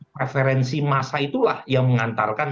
preferensi massa itulah yang mengantarkan